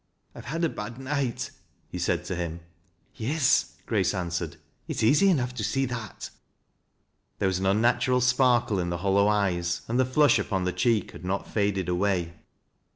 " I have had a bad night," he said to him. "YeSj" Grace answered. "It is easy enough tp see that." BOING SODTK 25« There was an unnatural sparkle in the hollow eyes, and lie flush upon the cheek had not faded away.